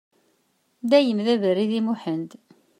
Dayem d aberri di Muḥend.